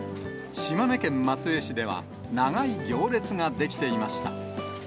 島根県松江市では、長い行列が出来ていました。